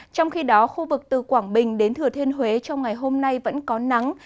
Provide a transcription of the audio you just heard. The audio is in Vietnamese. trong khi đó khu vực từ quảng bình đến thừa thiên huế trong ngày hôm nay vẫn có nắng